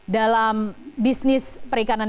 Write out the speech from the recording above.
dalam bisnis perikanan